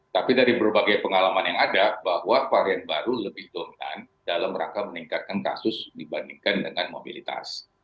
tapi dari berbagai pengalaman yang ada bahwa varian baru lebih dominan dalam rangka meningkatkan kasus dibandingkan dengan mobilitas